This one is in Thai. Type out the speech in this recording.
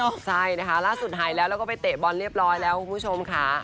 ค่ะแต่ว่าล่าสุดหายแล้วไปเตะบอลเรียบร้อยแล้วคุณผู้ชมค่ะ